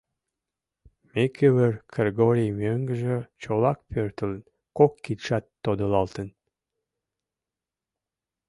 Микывыр Кргори мӧҥгыжӧ чолак пӧртылын, кок кидшат тодылалтын.